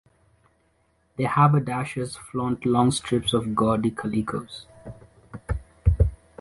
The haberdashers flaunt long strips of gaudy calicoes.